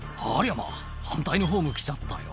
まぁ反対のホーム来ちゃったよ」